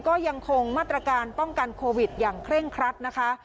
ก็ยังคงมาตรการป้องกันโควิดอย่างเคร่งครัดนะคะ